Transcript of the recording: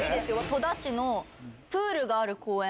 戸田市のプールがある公園。